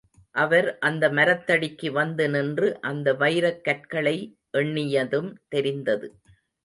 அவர் அந்த மரத்தடிக்கு வந்து நின்று, அந்த வைரக் கற்களை எண்ணியதும் தெரிந்தது.